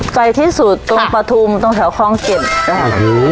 ใกล้ที่สุดตรงปะทูมตรงแถวคลองเจ็ดอ๋อหู